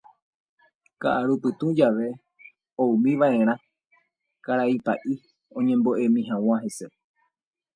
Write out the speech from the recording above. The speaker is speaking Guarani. Ka'arupytũ jave oúmiva'erã karai pa'i oñembo'emi hag̃ua hese.